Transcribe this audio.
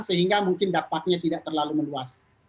sehingga mungkin dapatnya tidak terlalu meluas